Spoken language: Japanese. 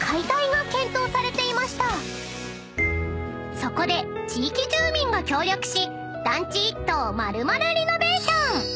［そこで地域住民が協力し団地１棟を丸々リノベーション］